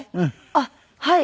あっはい。